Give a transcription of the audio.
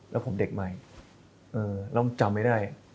แล้วผมเด็กใหม่แล้วจำไม่ได้